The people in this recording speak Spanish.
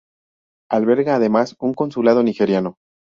Alberga además un consulado nigeriano.